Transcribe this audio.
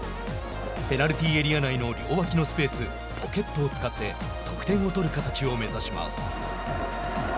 ペナルティーエリア内の両脇のスペースポケットを使って得点を取る形を目指します。